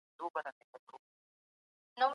کله ناکله موږ څېړنه د څېړني په موخه نه کوو.